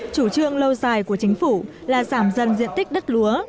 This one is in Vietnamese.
chủ trương lâu dài của chính phủ là giảm dần diện tích đất lúa